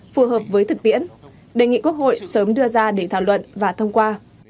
phù hợp với thực tiễn đề nghị quốc hội sớm đưa ra để thảo luận và thông qua